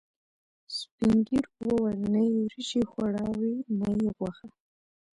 سپینږیرو ویل: نه یې وریجې خوړاوې، نه یې غوښه.